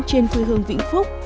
trên khu hương vĩnh phúc